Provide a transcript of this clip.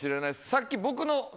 さっき僕の。